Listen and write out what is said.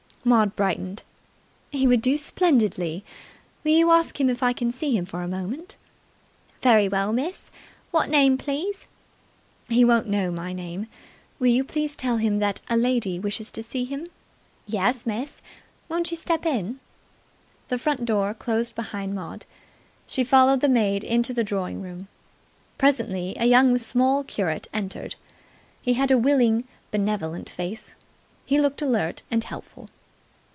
Maud brightened. "He would do splendidly. Will you ask him if I can see him for a moment?" "Very well, miss. What name, please?" "He won't know my name. Will you please tell him that a lady wishes to see him?" "Yes, miss. Won't you step in?" The front door closed behind Maud. She followed the maid into the drawing room. Presently a young small curate entered. He had a willing, benevolent face. He looked alert and helpful.